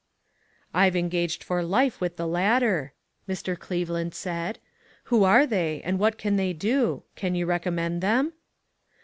"I've engaged for life with the latter," Mr. Cleveland said. " Who are they, and what can they do ? can you recommend them